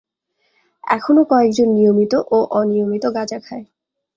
এখনো কয়েকজন নিয়মিত ও অনিয়মিত গাঁজা খায়।